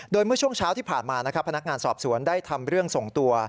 โดยเมื่อช่วงเช้าที่ผ่านมานะครับพนักงานสอบสวนได้ทำเรื่องส่งตัว